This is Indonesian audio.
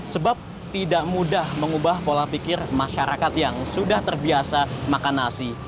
sebab tidak mudah mengubah pola pikir masyarakat yang sudah terbiasa makan nasi